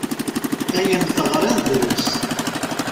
Ayen teɣriḍ drus.